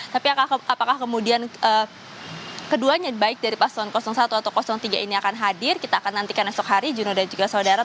tapi apakah kemudian keduanya baik dari paslon satu atau tiga ini akan hadir kita akan nantikan esok hari juno dan juga saudara